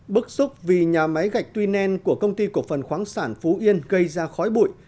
bức xúc vì nhà máy gạch tuy nen của công ty cổ phần khoáng sản phú yên gây ra khói bụi